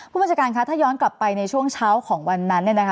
ผู้บัญชาการคะถ้าย้อนกลับไปในช่วงเช้าของวันนั้น